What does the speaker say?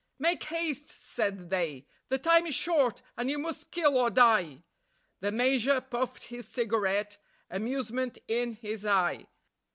"Make haste!" said they; "the time is short, and you must kill or die." The Major puffed his cigarette, amusement in his eye.